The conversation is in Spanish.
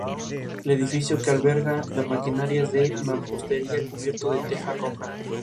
El edificio que alberga la maquinaria es de mampostería cubierto con teja roja.